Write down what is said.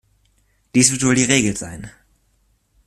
Dies wird wohl die Regel sein.